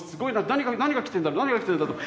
何が何が来てんだ何が来てるんだろうと。